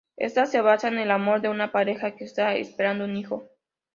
Éste se basa en el amor de una pareja que está esperando un hijo.